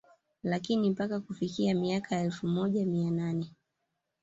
Lakini mpaka kufikia miaka ya elfu moja mia nane